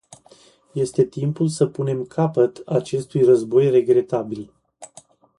Este timpul să punem capăt acestui război regretabil.